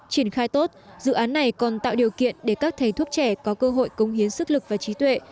triển khai tốt dự án này còn tạo điều kiện để các thầy thuốc trẻ có cơ hội công hiến sức lực và trí tuệ